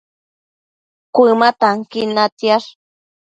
Cuëma tanquin natsiash